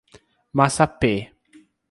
Massapê